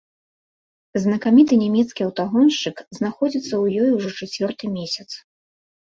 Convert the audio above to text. Знакаміты нямецкі аўтагоншчык знаходзіцца ў ёй ужо чацвёрты месяц.